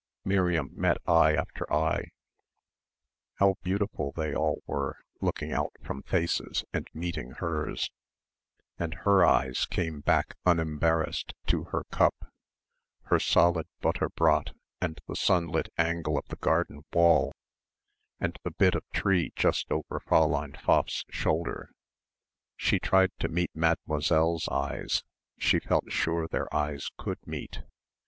Miriam met eye after eye how beautiful they all were looking out from faces and meeting hers and her eyes came back unembarrassed to her cup, her solid butter brot and the sunlit angle of the garden wall and the bit of tree just over Fräulein Pfaff's shoulder. She tried to meet Mademoiselle's eyes, she felt sure their eyes could meet.